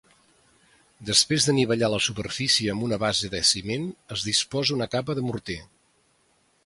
Després d'anivellar la superfície amb una base de ciment, es disposa una capa de morter.